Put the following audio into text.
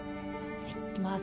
はいいきます。